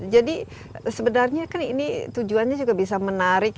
jadi sebenarnya kan ini tujuannya juga bisa menarik